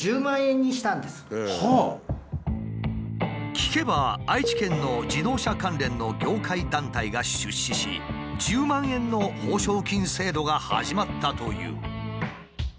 聞けば愛知県の自動車関連の業界団体が出資し１０万円の報奨金制度が始まったという。